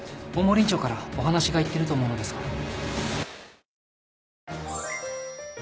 大森院長からお話がいってると思うのですが。